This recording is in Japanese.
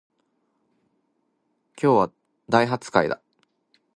今日は大発会だ